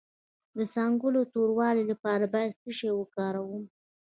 د څنګلو د توروالي لپاره باید څه شی وکاروم؟